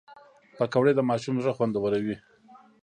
پکورې د ماشوم زړه خوندوروي